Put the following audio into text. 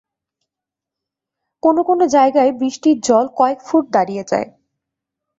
কোন কোন জায়গায় বৃষ্টির জল কয়েক ফুট দাঁড়িয়ে যায়।